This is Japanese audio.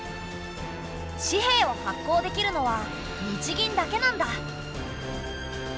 紙幣を発行できるのは日銀だけなんだ。